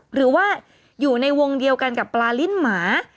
หรือว่าอยู่ในวงเดียวกันกับปลาลิ้นหมา